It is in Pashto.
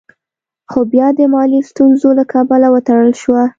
خو بيا د مالي ستونزو له کبله وتړل شوه.